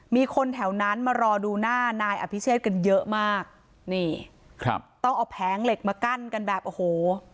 มีคนแถวนั้นมารอดูหน้านายอภิเชษกันเยอะมากนี่ครับต้องเอาแผงเหล็กมากั้นกันแบบโอ้โห